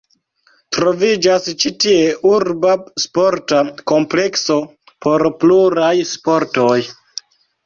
Troviĝas ĉi tie urba sporta komplekso por pluraj sportoj.